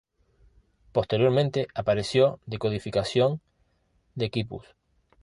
Posteriormente apareció "Decodificación de Quipus".